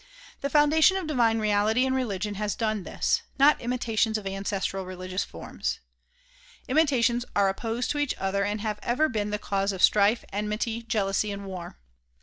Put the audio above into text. The foun dation of divine reality in religion has done this ; not imitations of ancestral religious forms. Imitations are opposed to each other and have ever been the cause of strife, enmity, jealousy and war.